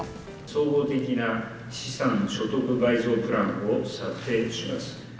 総合的な資産所得倍増プランを策定します。